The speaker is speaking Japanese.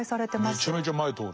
めちゃめちゃ前通る。